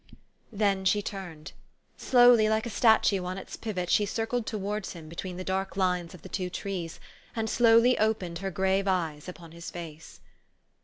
" Then she turned. Slowly, like a statue on its pivot, she circled towards him between the dark lines of the two trees, and slowly opened her grave eyes upon his face.